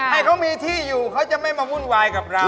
ให้เขามีที่อยู่เขาจะไม่มาวุ่นวายกับเรา